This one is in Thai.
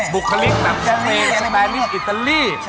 บุคลิกแบบสเปนสเปนิสอิตาลี